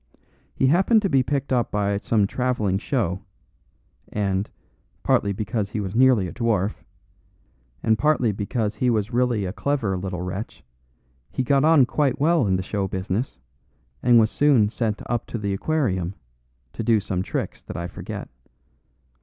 He happened to be picked up by some travelling show, and, partly because he was nearly a dwarf, and partly because he was really a clever little wretch, he got on quite well in the show business, and was soon sent up to the Aquarium, to do some tricks that I forget.